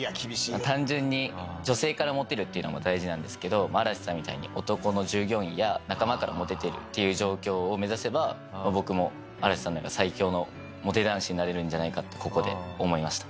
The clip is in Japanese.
単純に女性からモテるっていうのも大事なんですけど嵐さんみたいに男の従業員や仲間からモテているっていう状況を目指せば僕も嵐さんのような最強のモテ男子になれるんじゃないかってここで思いました。